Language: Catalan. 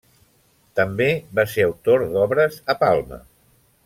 També va ser autor d'obres a Palma.